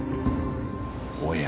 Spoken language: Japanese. おや？